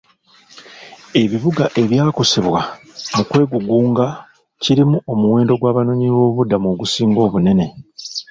Ebibuga ebyakosebwa mu kwegugunga kirimu omuwendo gw'abanoonyiboobubudamu ogusinga obunene.